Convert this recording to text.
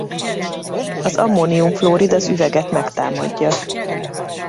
Az ammónium-fluorid az üveget megtámadja.